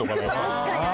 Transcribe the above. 確かに。